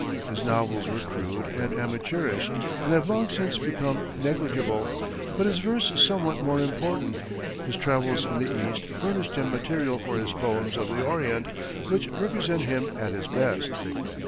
His novels were crude and amateurish, and have long since become negligible; but his verse is somewhat more important. His travels in the East furnished him material for his "Poems of the Orient," which represent him at his best.